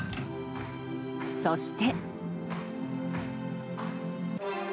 そして。